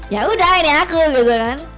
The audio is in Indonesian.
ya udah ini aku gitu kan